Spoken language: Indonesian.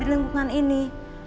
di lingkungan ini